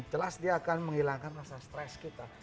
jelas dia akan menghilangkan rasa stres kita